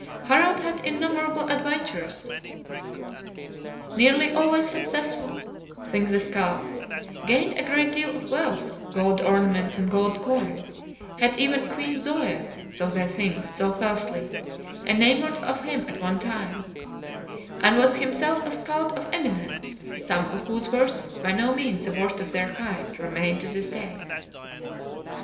Harald had innumerable adventures, nearly always successful, sing the Skalds; gained a great deal of wealth, gold ornaments, and gold coin; had even Queen Zoe (so they sing, though falsely) enamored of him at one time; and was himself a Skald of eminence; some of whose verses, by no means the worst of their kind, remain to this day.